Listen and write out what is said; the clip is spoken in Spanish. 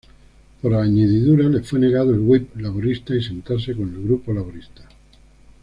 Por añadidura, le fue negado el "whip" laborista y sentarse con el grupo laborista.